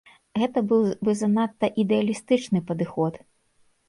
Гэта быў бы занадта ідэалістычны падыход.